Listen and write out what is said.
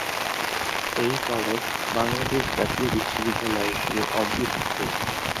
এই কলেজ বাংলাদেশ জাতীয় বিশ্ববিদ্যালয়-এর অধিভুক্ত।